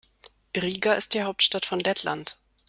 Riga ist die Hauptstadt von Lettland.